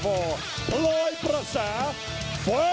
พอจะสมาธุกับทันวันนี่